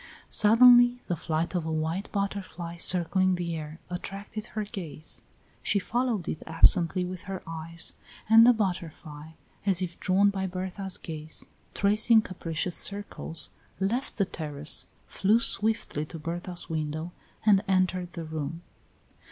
Suddenly the flight of a white butterfly circling in the air attracted her gaze. She followed it absently with her eyes, and the butterfly, as if drawn by Berta's gaze, tracing capricious circles, left the terrace, flew swiftly to Berta's window and entered the room.